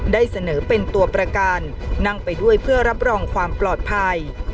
ได้เสนอเป็นตัวประกันนั่งไปด้วยเพื่อรับรองความปลอดภัย